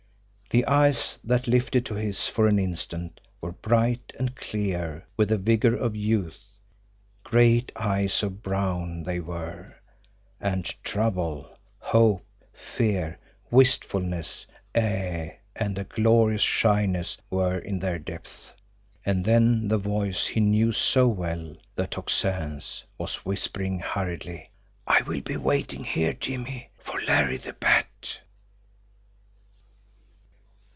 The eyes that lifted to his for an instant were bright and clear with the vigor of youth, great eyes of brown they were, and trouble, hope, fear, wistfulness, ay, and a glorious shyness were in their depths. And then the voice he knew so well, the Tocsin's was whispering hurriedly: "I will be waiting here, Jimmie for Larry the Bat."